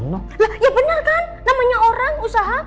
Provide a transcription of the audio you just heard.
lah ya bener kan namanya orang usaha